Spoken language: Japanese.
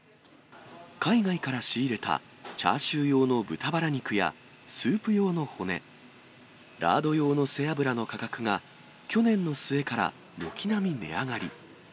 海外から仕入れたチャーシュー用の豚バラ肉やスープ用の骨、ラード用の背脂の価格が、去年の末から軒並み値上がり。